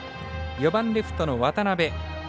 ４番、レフトの渡邊。